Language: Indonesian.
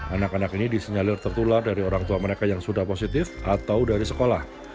anak anak ini disenyalir tertular dari orang tua mereka yang sudah positif atau dari sekolah